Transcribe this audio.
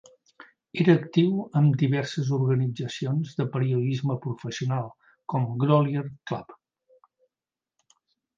Era actiu en diverses organitzacions de periodisme professional, com Grolier Club.